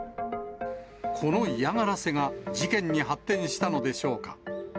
この嫌がらせが事件に発展したのでしょうか。